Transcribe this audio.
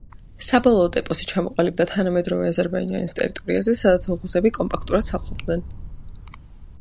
საბოლოოდ, ეპოსი ჩამოყალიბდა თანამედროვე აზერბაიჯანის ტერიტორიაზე, სადაც ოღუზები კომპაქტურად სახლობდნენ.